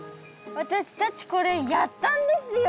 私たちこれやったんですよ